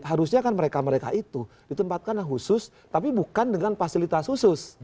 harusnya kan mereka mereka itu ditempatkan khusus tapi bukan dengan fasilitas khusus